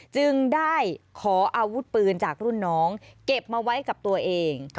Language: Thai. จึงได้ขออาวุธปืนจากรุ่นน้องเก็บมาไว้กับตัวเอง